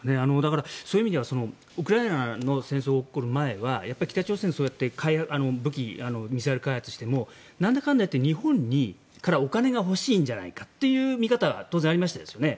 そういう意味ではウクライナの戦争が起こる前は北朝鮮、そうやって武器ミサイル開発してもなんだかんだ言って日本からお金が欲しいんじゃないかという見方は当然、ありましたよね。